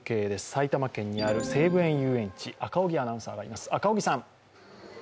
埼玉県にある西武園ゆうえんち、赤荻アナウンサーがいます。